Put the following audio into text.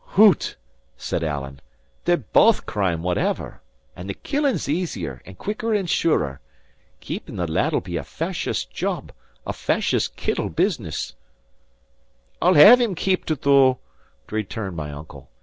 "Hoot!" said Alan, "they're baith crime, whatever! And the killing's easier, and quicker, and surer. Keeping the lad'll be a fashious* job, a fashious, kittle business." * Troublesome. "I'll have him keepit, though," returned my uncle.